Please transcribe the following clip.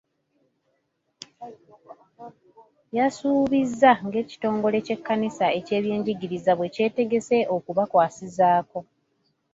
Yasuubizza ng'ekitongole ky'ekkanisa eky'ebyenjigiriza bwe kyetegese okubakwasizaako.